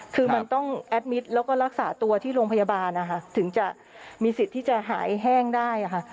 คือมันต้องแอดมิตรแล้วก็รักษาตัวที่โรงพยาบาลนะคะถึงจะมีสิทธิ์ที่จะหายแห้งได้ค่ะ